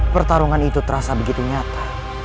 pertarungan itu terasa begitu nyata